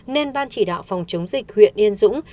nên ban chỉ đạo phòng chống dịch huyện yên dũng